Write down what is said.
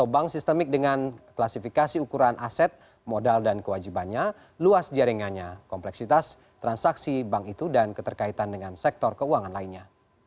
bank sistemik dengan klasifikasi ukuran aset modal dan kewajibannya luas jaringannya kompleksitas transaksi bank itu dan keterkaitan dengan sektor keuangan lainnya